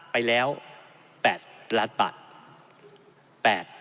ไปแล้ว๘ล้านบาท